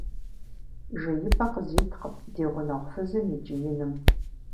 Жеипӏэ къызиткъым ди гъунэгъу фызым и кӏииным.